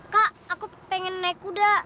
kak aku pengen naik kuda